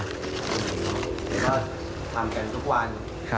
แล้วก็ทำกันทุกวัน